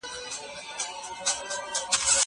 زه پرون درسونه تيار کړي!